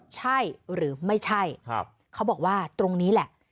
ใช่หรือไม่ใช่เขาบอกว่าตรงนี้แหละ